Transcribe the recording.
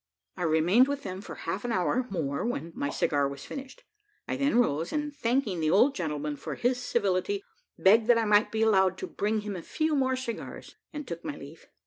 I remained with them for half an hour more, when my cigar was finished; I then rose, and thanking the old gentleman for his civility, begged that I might be allowed to bring him a few more cigars, and took my leave.